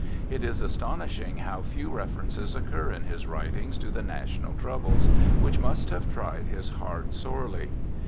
It is astonishing how few references occur in his writings to the national troubles, which must have tried his heart sorely.